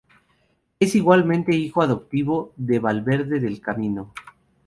Es igualmente Hijo Adoptivo de Valverde del Camino.